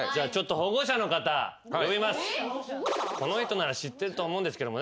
この人なら知ってると思うんですけどもね。